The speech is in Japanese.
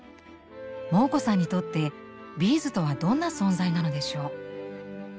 モー子さんにとってビーズとはどんな存在なのでしょう？